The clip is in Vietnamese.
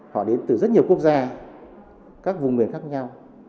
họ đến từ rất nhiều quốc gia các vùng miền khác nhau